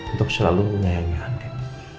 untuk selalu menyayangi adin